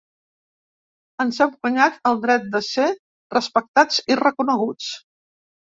Ens hem guanyat el dret de ser respectats i reconeguts.